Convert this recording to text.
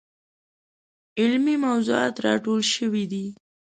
علمي موضوعات راټول شوي دي.